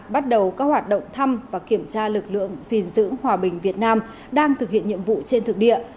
bắt đầu các hoạt động thăm và kiểm tra lực lượng gìn giữ hòa bình việt nam đang thực hiện nhiệm vụ trên thực địa